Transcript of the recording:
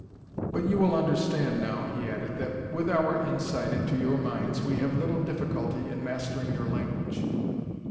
"But you will understand, now," he added, "that, with our insight into your minds, we have little difficulty in mastering your language."